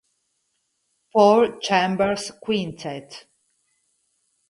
Paul Chambers Quintet